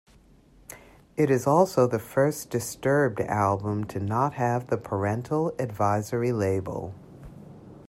It is also the first Disturbed album to not have the Parental Advisory label.